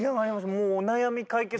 もうお悩み解決